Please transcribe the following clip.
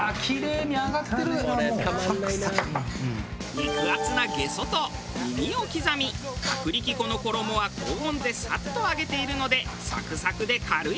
肉厚なゲソと耳を刻み薄力粉の衣は高温でサッと揚げているのでサクサクで軽い。